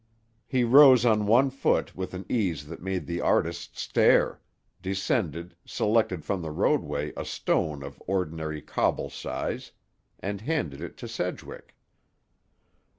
He rose on one foot with an ease that made the artist stare, descended, selected from the roadway a stone of ordinary cobble size, and handed it to Sedgwick.